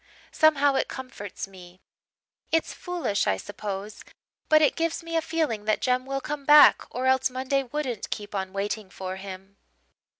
Somehow it comforts me: it's foolish, I suppose, but it gives me a feeling that Jem will come back or else Monday wouldn't keep on waiting for him.